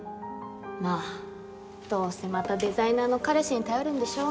まあどうせまたデザイナーの彼氏に頼るんでしょ